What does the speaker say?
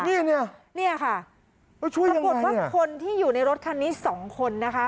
เป็นการปกติว่าคนที่อยู่ในรถคันนี้๒คน